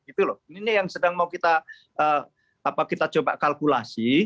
ini yang sedang mau kita coba kalkulasi